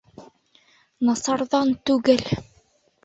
Насарҙан түгел